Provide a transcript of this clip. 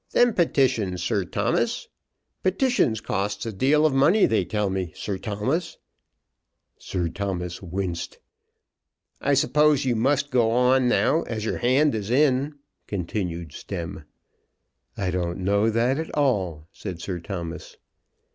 "Them petitions, Sir Thomas? Petitions costs a deal of money they tell me, Sir Thomas." Sir Thomas winced. "I suppose you must go on now as your hand is in," continued Stemm. "I don't know that at all," said Sir Thomas.